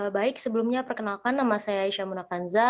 baik sebelumnya perkenalkan nama saya aisyah munakanza